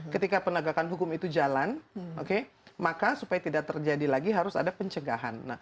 ketika penegakan hukum itu jalan maka supaya tidak terjadi lagi harus ada pencegahan